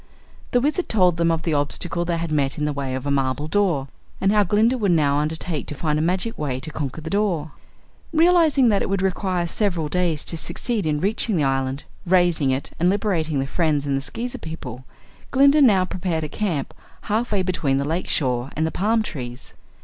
The Wizard told them of the obstacle they had met in the way of a marble door, and how Glinda would now undertake to find a magic way to conquer the door. Realizing that it would require several days to succeed in reaching the island raising it and liberating their friends and the Skeezer people, Glinda now prepared a camp half way between the lake shore and the palm trees.